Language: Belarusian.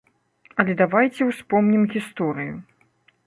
Але давайце ўспомнім гісторыю.